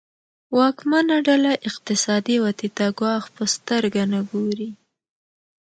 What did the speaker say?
واکمنه ډله اقتصادي ودې ته ګواښ په سترګه نه ګوري.